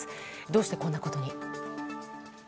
どうしてこんなことに？